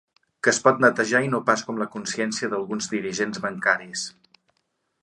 Que es pot netejar, i no pas com la consciència d'alguns dirigents bancaris.